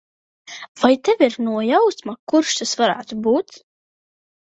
Vai tev ir nojausma, kurš tas varētu būt?